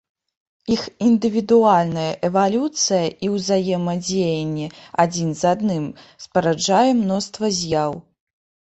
Іх індывідуальная эвалюцыя і ўзаемадзеянне адзін з адным спараджае мноства з'яў.